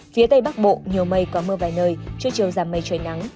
phía tây bắc bộ nhiều mây có mưa vài nơi chưa chiều giảm mây trời nắng